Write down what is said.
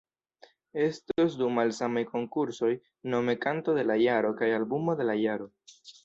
Estos du malsamaj konkursoj, nome Kanto de la Jaro kaj Albumo de la Jaro.